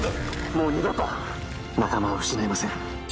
もう二度と仲間を失いません